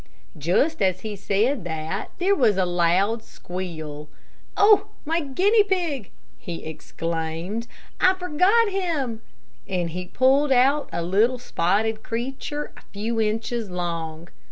Just as he said that there was a loud squeal: "Oh, my guinea pig," he exclaimed; "I forgot him," and he pulled out a little spotted creature a few inches long.